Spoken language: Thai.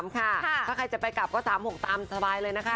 ถ้าใครจะไปกลับก็๓๖ตามสบายเลยนะคะ